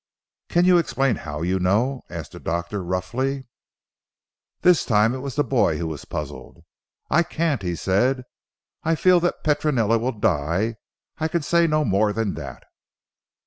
"Can you explain how you do know?" asked the doctor roughly. This time it was the boy who was puzzled, "I can't," he said. "I feel that Petronella will die. I can say no more than that."